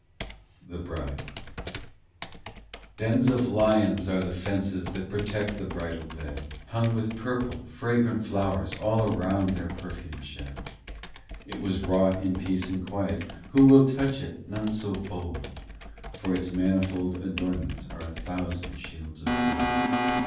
259 260 POEMS THE BRIDE 24 Dens of lions are the fences That protect the bridal bed Hung with purple : fragrant flowers All around their perfume shed. It was wrought in peace and quiet, Who will touch it ? None so bold, For its manifold adornments Are a thousand shields of gold.